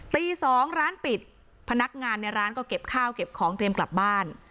ตี๒ร้านปิดพนักงานในร้านก็เก็บข้าวเก็บของเตรียมกลับบ้าน